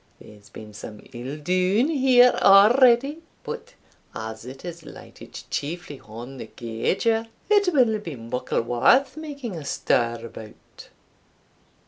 There's been some ill dune here already; but as it has lighted chiefly on the gauger, it winna be muckle worth making a stir about."